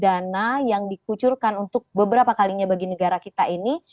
dana yang dikucurkan untuk beberapa kalinya bagi negara kita ini